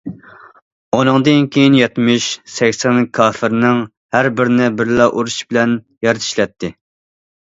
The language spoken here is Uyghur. ئۇنىڭدىن كېيىن يەتمىش، سەكسەن كاپىرنىڭ ھەر بىرىنى بىرلا ئۇرۇش بىلەن يەر چىشلەتتى.